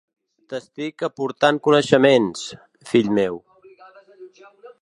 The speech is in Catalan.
T'estic aportant coneixements, fill meu.